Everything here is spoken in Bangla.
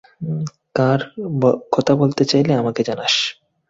কথা বলতে চাইলে আমাকে জানাস।